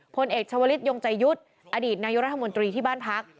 พลเอกชวริสต์ยงจัยยุทธอดีตนายรัฐมนตรีที่บ้านพัก